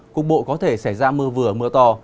cục bộ có thể xảy ra mưa vừa mưa to